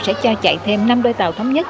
sẽ cho chạy thêm năm đôi tàu thống nhất